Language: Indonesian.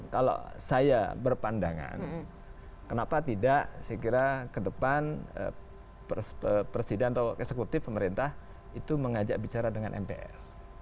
kalau saya berpandangan kenapa tidak saya kira ke depan presiden atau eksekutif pemerintah itu mengajak bicara dengan mpr